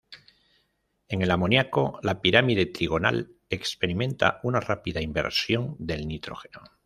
En el amoniaco la pirámide trigonal experimenta una rápida inversión del nitrógeno.